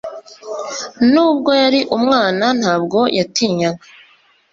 Nubwo yari umwana, ntabwo yatinyaga.